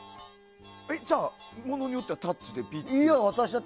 じゃあ、物によってはタッチでピッて。